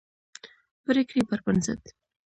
پرېکړې پربنسټ